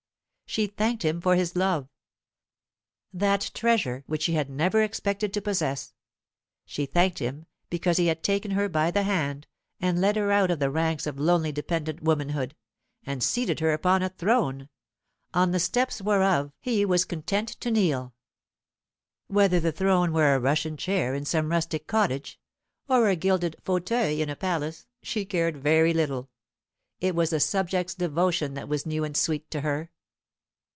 She thanked him for his love that treasure which she had never expected to possess; she thanked him because he had taken her by the hand, and led her out of the ranks of lonely dependent womanhood, and seated her upon a throne, on the steps whereof he was content to kneel. Whether the throne were a rushen chair in some rustic cottage, or a gilded fauteuil in a palace, she cared very little. It was the subject's devotion that was new and sweet to her.